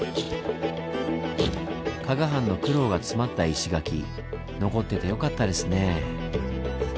加賀藩の苦労が詰まった石垣残っててよかったですねぇ。